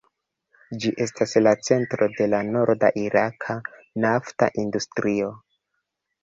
Ĝi estas la centro de la norda iraka nafta industrio.